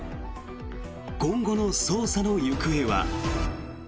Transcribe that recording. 今後の捜査の行方は。